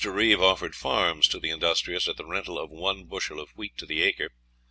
Reeve offered farms to the industrious at the rental of one bushel of wheat to the acre.